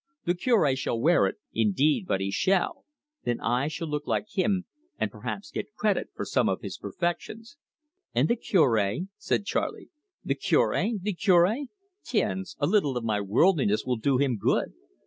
The Cure shall wear it indeed but he shall! Then I shall look like him, and perhaps get credit for some of his perfections." "And the Cure?" said Charley. "The Cure? the Cure? Tiens, a little of my worldliness will do him good.